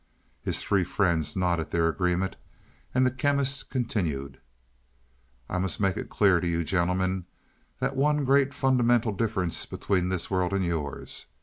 His three friends nodded their agreement and the Chemist continued. "I must make it clear to you gentlemen, the one great fundamental difference between this world and yours.